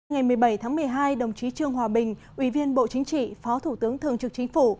ngày một mươi bảy tháng một mươi hai đồng chí trương hòa bình ủy viên bộ chính trị phó thủ tướng thường trực chính phủ